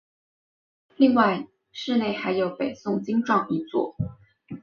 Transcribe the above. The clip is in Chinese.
另外寺内还有北宋经幢一座。